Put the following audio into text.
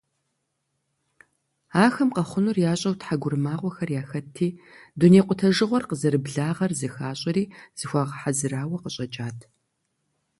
Ахэм къэхъунур ящӀэу тхьэгурымагъуэхэр яхэтти, дуней къутэжыгъуэр къызэрыблагъэр зыхащӀэри зыхуагъэхьэзырауэ къыщӀэкӀат.